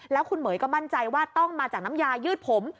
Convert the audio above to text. แล้วคุณเหม๋ยก็มั่นใจว่าต้องมาจากน้ำยายืดผม